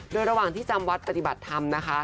โดยระหว่างที่จำวัดปฏิบัติธรรมนะคะ